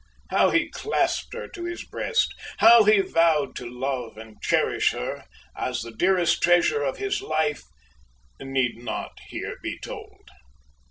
How he clasped her to his breast! How he vowed to love and cherish her as the dearest treasure of his life need not here be told.